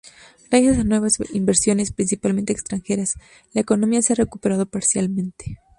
Gracias a nuevas inversiones, principalmente extranjeras, la economía se ha recuperado parcialmente.